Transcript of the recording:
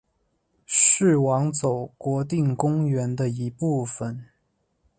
是网走国定公园的一部分。